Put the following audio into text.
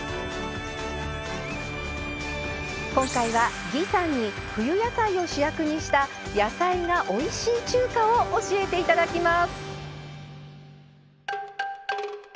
今回は魏さんに冬野菜を主役にした野菜がおいしい中華を教えて頂きます。